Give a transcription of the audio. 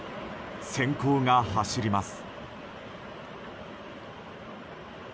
閃光が走ります。